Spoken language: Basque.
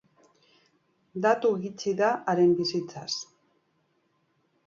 Datu gutxi da haren bizitzaz.